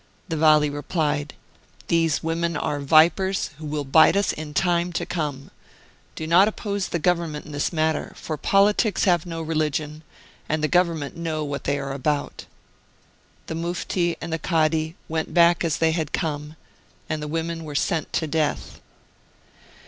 The Vali re plied : "These women are vipers, who will bite us in time to come ; do not oppose the Government in this matter, for politics have no religion, and the Government know what they are about." The Mufti and the Kadi went back as they had come, and the women were sent to death.